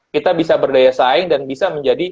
kita bisa berdaya saing dan bisa menjadi